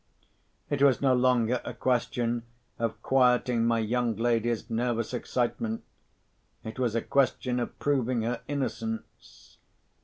It was no longer a question of quieting my young lady's nervous excitement; it was a question of proving her innocence.